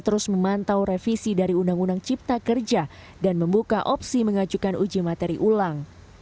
terus memantau revisi dari undang undang cipta kerja dan membuka opsi mengajukan uji materi ulang